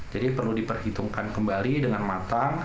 jadi perlu diperhitungkan kembali dengan matang